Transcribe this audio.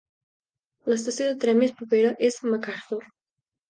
L'estació de tren més propera és Macarthur.